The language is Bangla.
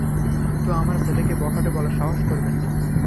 কিন্তু আমার ছেলেকে বখাটে বলার সাহস করবেন না।